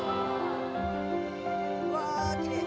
うわぁきれい！